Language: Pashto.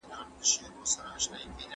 د وزیر اکبرخان اخلاق او زړورتیا ډېر لوړ وو.